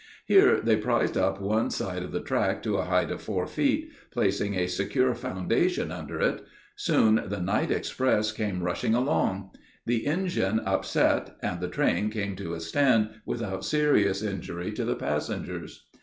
Here they prized up one side of the track to a height of four feet, placing a secure foundation under it. Soon the night express came rushing along. The engine upset, and the train came to a stand without serious injury to the passengers.